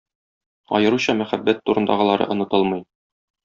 Аеруча мәхәббәт турындагылары онытылмый.